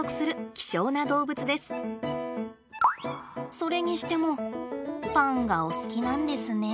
それにしてもパンがお好きなんですねえ。